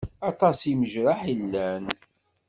Aṭas n imejraḥ i yellan.